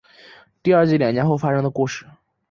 第二季两年后发生的故事。